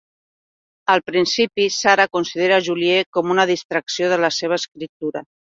Al principi, Sarah considera Julie com una distracció de la seva escriptura.